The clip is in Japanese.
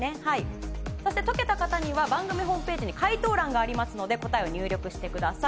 そして解けた方には番組ホームページに解答欄がありますので答えを入力してください。